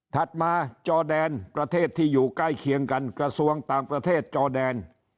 มาจอแดนประเทศที่อยู่ใกล้เคียงกันกระทรวงต่างประเทศจอแดน